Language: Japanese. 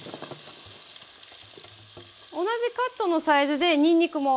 同じカットのサイズでにんにくも。